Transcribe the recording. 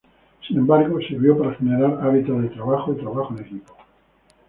Sin embargo, sirvió para generar hábito de trabajo y trabajo en equipo.